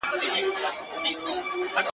o انسان بې وزره مرغه دئ!